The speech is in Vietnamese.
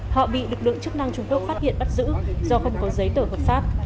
họ bị lực lượng chức năng trung quốc phát hiện bắt giữ do không có giấy tờ hợp pháp